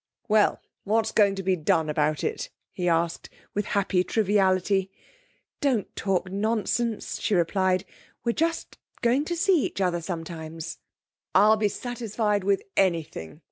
'Well, what's going to be done about it?' he asked, with happy triviality. 'Don't talk nonsense,' she replied. 'We're just going to see each other sometimes.' 'I'll be satisfied with anything!'